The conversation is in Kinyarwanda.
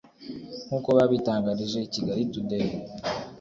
nk’uko babitangarije Kigali Today